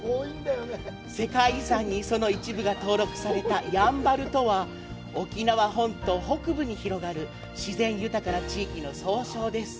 世界遺産にその一部が登録された「やんばる」とは沖縄本島北部に広がる自然豊かな地域の総称です。